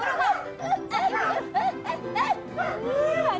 elah dat achter kacauak